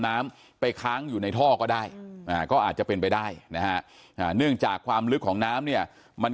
น้ำไปค้างอยู่ในท่อก็ได้ก็อาจจะเป็นไปได้นะฮะเนื่องจากความลึกของน้ำเนี่ยมัน